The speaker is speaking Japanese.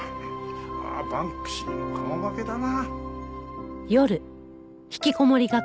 うわあバンクシー顔負けだな。